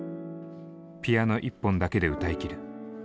ピアノ１本だけで歌いきる。